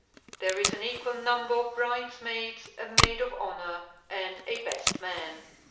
There is an equal number of bridesmaids, a maid of honor and a best man.